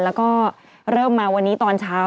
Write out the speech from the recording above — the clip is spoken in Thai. แล้วก็เริ่มมาวันนี้ตอนเช้า